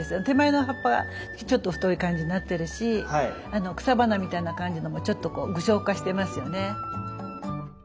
手前の葉っぱはちょっと太い感じになってるし草花みたいな感じのもちょっとこう具象化してますよね。